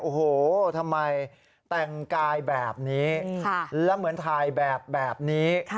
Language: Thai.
โอ้โหทำไมแต่งกายแบบนี้แล้วเหมือนถ่ายแบบแบบนี้